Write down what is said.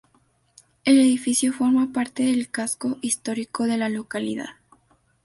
El edificio forma parte del casco histórico de la localidad.